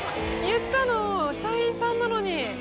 言ったの社員さんなのに。